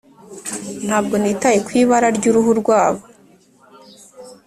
ntabwo nitaye ku ibara ryuruhu rwabo